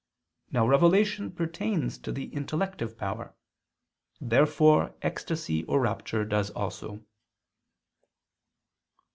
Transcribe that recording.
Now revelation pertains to the intellective power. Therefore ecstasy or rapture does also.